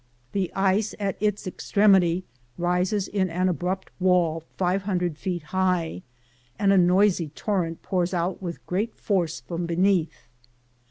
The ice at its extremity rises in an abrupt wall five hundred feet high, and a noisy torrent pours out with great force from beneath.